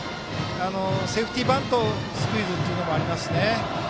セーフティーバントスクイズもありますし。